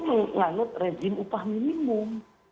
menganggut rezim upah minimum